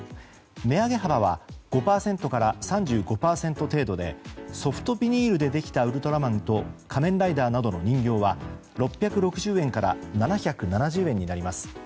値上げ幅は５％から３５％程度でソフトビニールでできたウルトラマンと仮面ライダーなどの人形は６６０円から７７０円になります。